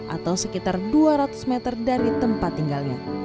atau sekitar dua ratus meter dari tempat tinggalnya